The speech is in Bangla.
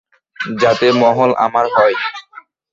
যাতে, মহল আমার হয়।